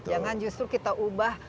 jangan justru kita ubah